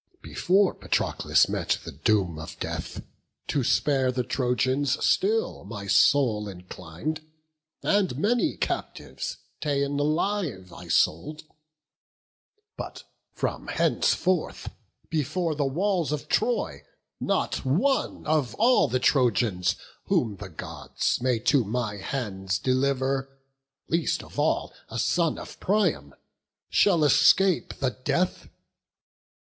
Before Patroclus met the doom of death, To spare the Trojans still my soul inclin'd; And many captives, ta'en alive, I sold; But from henceforth, before the walls of Troy, Not one of all the Trojans, whom the Gods May to my hands deliver, least of all A son of Priam, shall escape the death.